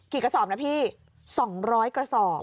กระสอบนะพี่๒๐๐กระสอบ